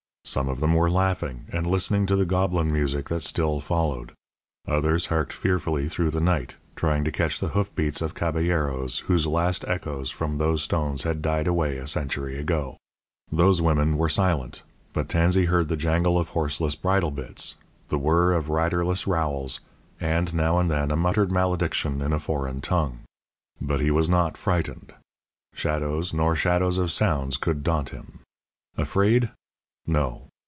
Some of them were laughing and listening to the goblin music that still followed; others harked fearfully through the night, trying to catch the hoof beats of caballeros whose last echoes from those stones had died away a century ago. Those women were silent, but Tansey heard the jangle of horseless bridle bits, the whirr of riderless rowels, and, now and then, a muttered malediction in a foreign tongue. But he was not frightened. Shadows, nor shadows of sounds could daunt him. Afraid? No.